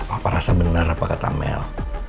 apa rasa benar apa kata mel